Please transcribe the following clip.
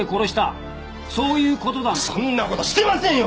そんな事してませんよ